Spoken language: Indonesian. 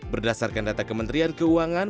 berdasarkan data kementerian keuangan